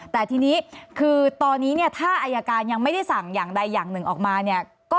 แต่ทีนี้คือตอนนี้เนี่ยถ้าอายการยังไม่ได้สั่งอย่างใดอย่างหนึ่งออกมาเนี่ย